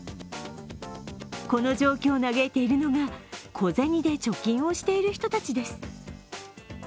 この状況を嘆いているのが小銭で貯金をしている人たちです。